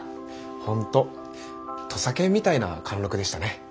本当土佐犬みたいな貫禄でしたね。